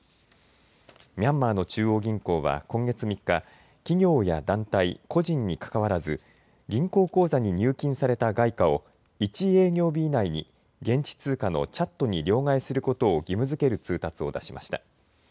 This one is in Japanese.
ミャンマーの中央銀行は今月３日、企業や団体、個人にかかわらず銀行口座に入金された外貨を１営業日以内に現地通貨のチャットに両替することを義務づける通達を出しました。